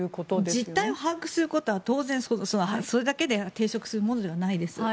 実態を把握することは当然、それだけで抵触するものではないです。